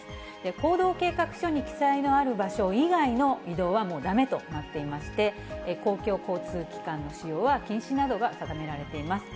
行動計画書に記載のある場所以外の移動はもうだめとなっていまして、公共交通機関の使用は禁止などが定められています。